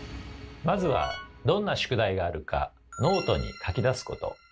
まずはどんな宿題があるかノートに書き出すこと。